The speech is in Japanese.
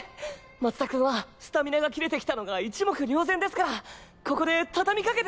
松田君はスタミナが切れてきたのが一目瞭然ですからここで畳みかけ。